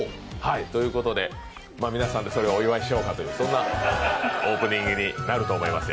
ということで、皆さんでそれをお祝いをしようかというそんなオープニングになりそうです。